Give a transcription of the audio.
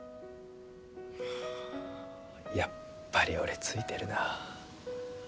やっぱり俺ツイてるな。